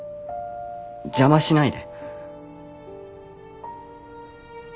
邪魔しないで。